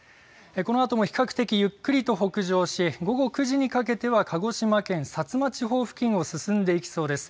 このあとも比較的ゆっくりと北上し、午後９時にかけては鹿児島県薩摩地方付近を進んでいきそうです。